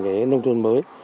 cái nông thôn mới